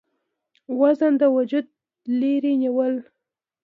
وزن د وجوده لرې نيول ،